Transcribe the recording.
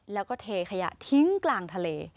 แล้วก็เทขยะทิ้งกลางทะเล